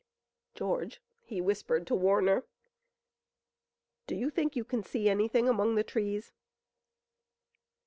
"George," he whispered to Warner, "do you think you can see anything among those trees?"